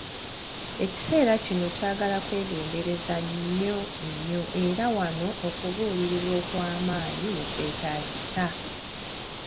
Ekiseera kino kyagala kwegendereza nnyo, nnyo, era wano okubuulirirwa okw'amaanyi wekwetaagisiza.